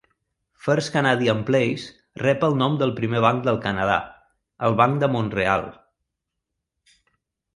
First Canadian Place rep el nom del primer banc del Canadà, el Banc de Mont-real.